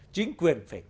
chính quyền phải cưỡng